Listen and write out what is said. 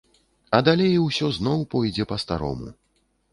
А далей усё зноў пойдзе па-старому.